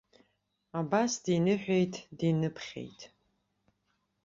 Абас диныҳәеит, диныԥхьеит.